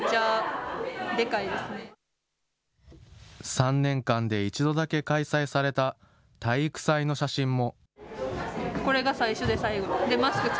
３年間で１度だけ開催された体育祭の写真も。